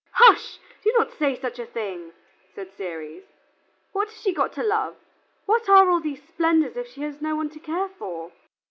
"Hush! do not say such a thing," said Ceres. "What has she got to love? What are all these splendors if she has no one to care for?